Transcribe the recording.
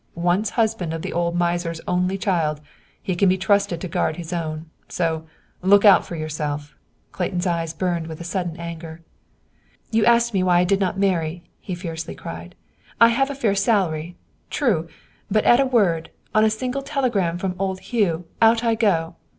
Once husband of the old miser's only child, he can be trusted to guard his own. So, look out for yourself!" Clayton's eyes burned with a sudden anger. "You asked me why I did not marry," he fiercely cried. "I have a fair salary. True; but at a word, on a single telegram from old Hugh, out I go.